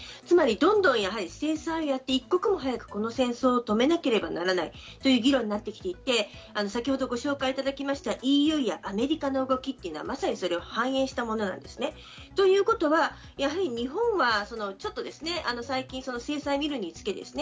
つまりどんどん制裁をやって、一刻も早くこの戦争を止めなければならないという議論になってきていて、先ほどご紹介いただきましたＥＵやアメリカの動きというのはまさにそれを反映したものなんですね。ということはやはり日本は